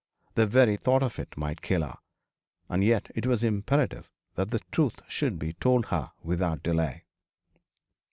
The very thought of it might kill her. And yet it was imperative that the truth should be told her without delay.